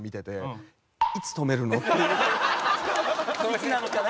「いつなのかな？」